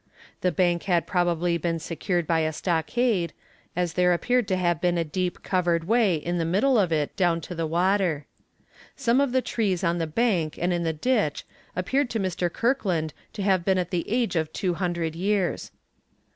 The bank had probably been secured by a stockade, as there appeared to have been a deep covered way in the middle of it down to the water. Some of the trees on the bank and in the ditch appeared to Mr. Kirkland to have been at the age of two hundred years.